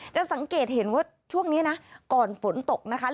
สังเกตเห็นว่าช่วงนี้นะก่อนฝนตกนะคะ